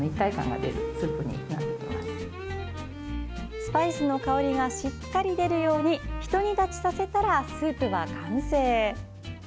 スパイスの香りがしっかり出るようにひと煮立ちさせたらスープは完成。